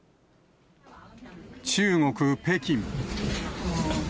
中国・北京。